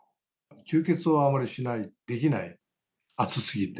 吸血をあまりしない、できない、暑すぎて。